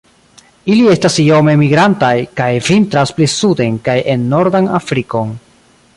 Ili estas iome migrantaj, kaj vintras pli suden kaj en nordan Afrikon.